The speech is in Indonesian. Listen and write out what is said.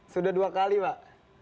sudah dua kali pak